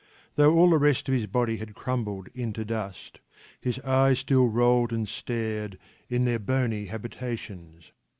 Though all the rest of his body had crumbled into dust his eyes still rolled and stared in their bony habitations.